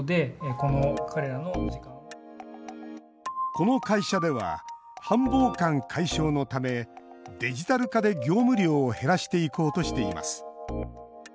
この会社では繁忙感解消のためデジタル化で、業務量を減らしていこうとしています。